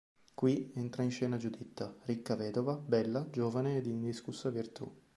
Qui entra in scena Giuditta, ricca vedova, bella, giovane e di indiscussa virtù.